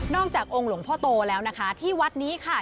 อกจากองค์หลวงพ่อโตแล้วนะคะที่วัดนี้ค่ะ